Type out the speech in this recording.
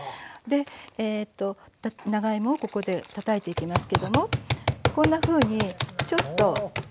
えと長芋をここでたたいていきますけどもこんなふうにちょっと。